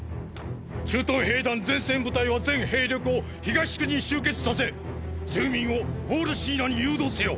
駐屯兵団前線部隊は全兵力を東区に集結させ住民をウォール・シーナに誘導せよ！！